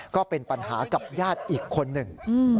ก็เป็นปัญหากับญาติอีกคนหนึ่ง